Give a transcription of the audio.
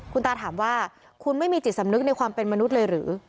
คุณตาถามว่าคุณไม่มีจิตสำนึกในความเป็นมนุษย์เลยหรือ